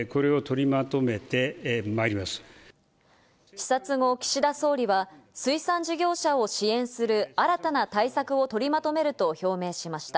視察後、岸田総理は水産事業者を支援する新たな対策を取りまとめると表明しました。